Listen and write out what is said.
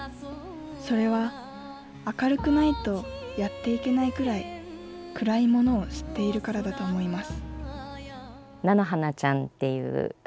それは明るくないとやっていけないくらい暗いものを知っているからだと思います